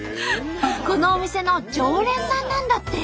このお店の常連さんなんだって。